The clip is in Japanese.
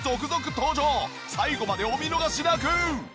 最後までお見逃しなく！